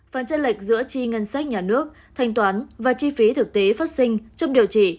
phần tranh lệch giữa chi ngân sách nhà nước thanh toán và chi phí thực tế phát sinh trong điều trị